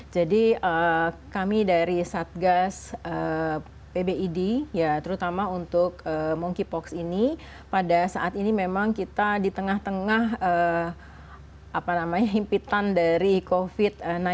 jadi kami dari satgas pbid ya terutama untuk monkeypox ini pada saat ini memang kita di tengah tengah impitan dari covid sembilan belas